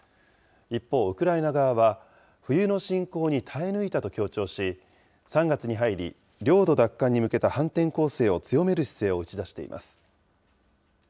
一方、ウクライナ側は冬の侵攻に耐え抜いたと強調し、３月に入り、領土奪還に向けた反転攻勢を強める姿勢を打ち出しています。